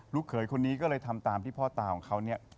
เขยคนนี้ก็เลยทำตามที่พ่อตาของเขาเนี่ย